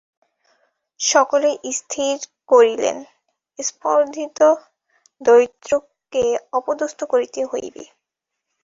সকলেই স্থির করিলেন, স্পর্ধিত দরিদ্রকে অপদস্থ করিতে হইবে।